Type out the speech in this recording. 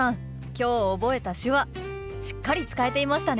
今日覚えた手話しっかり使えていましたね！